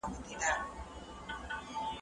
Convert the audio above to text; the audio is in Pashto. محمدشاه وو چي مشهور په رنګیلا وو